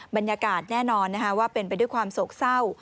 บรรยากาศแน่นอนว่าเป็นไปด้วยความโศกเศร้า